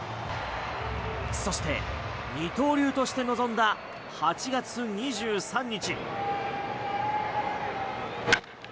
そして二刀流として臨んだ８月２３日。